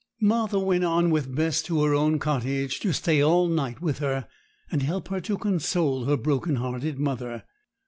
Martha went on with Bess to her own cottage to stay all night with her, and help her to console her broken hearted mother.